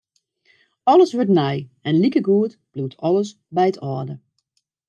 Alles wurdt nij en likegoed bliuwt alles by it âlde.